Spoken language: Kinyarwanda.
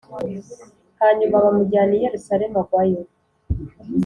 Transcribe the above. hanyuma bamujyana i yerusalemu+ agwayo